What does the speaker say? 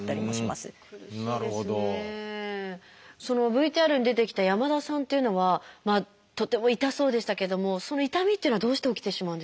ＶＴＲに出てきた山田さんっていうのはとても痛そうでしたけどもその痛みっていうのはどうして起きてしまうんですか？